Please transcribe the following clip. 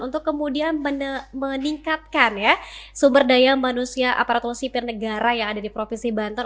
untuk kemudian meningkatkan sumber daya manusia aparatur sipil negara yang ada di provinsi banten